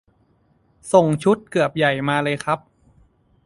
ส่งชุดเกือบใหญ่มาเลยครับ